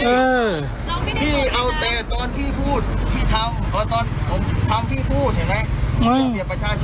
เออพี่เอาแต่ตอนพี่พูดพี่ทำตอนผมทำพี่พูดเห็นไหม